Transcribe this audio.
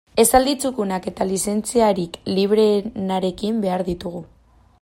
Esaldi txukunak eta lizentziarik libreenarekin behar ditugu.